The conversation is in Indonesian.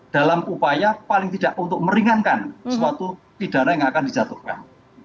dalam upaya paling tidak untuk meringankan suatu pidana yang akan dijatuhkan